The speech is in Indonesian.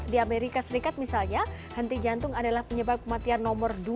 di amerika serikat misalnya henti jantung adalah penyebab kematian nomor dua